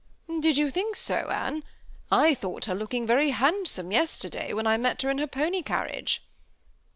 *'" Did you think so, Anne ? I thought her looking very handsome yesterday, when 1 met her in her pony carriage."